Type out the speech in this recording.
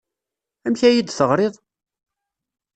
Amek ay iyi-d-teɣriḍ?